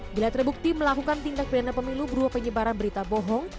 bila terbukti melakukan tindak pidana pemilu berupa penyebaran berita bohong